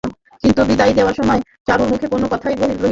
কিন্তু বিদায় দেবার সময় চারুর মুখে কোনো কথাই বাহির হইল না।